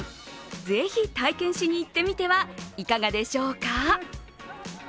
ぜひ体験しに行ってみてはいかがでしょうか？